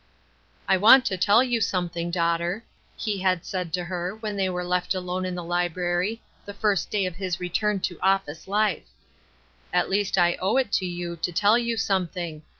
" I want to tell you something, daughter," he had said to her when they were left alone in the library, the first day of his return to office life. " At least I owe it to you to tell you something.